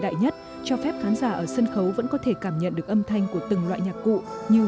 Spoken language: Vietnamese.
đại nhất cho phép khán giả ở sân khấu vẫn có thể cảm nhận được âm thanh của từng loại nhạc cụ như